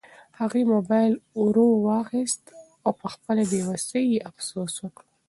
هغې موبایل ورواخیست او په خپله بې وسۍ یې افسوس وکړ.